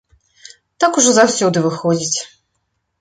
Так ужо заўсёды выходзіць.